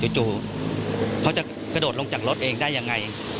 จู่เขาจะกระโดดลงจากรถเองได้ยังไง